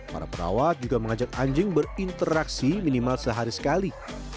para perawat juga mengajak anjing berinteraksi minimal sehari sekali